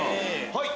はい。